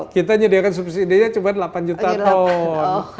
kita nyediakan subsidi nya cuma delapan juta ton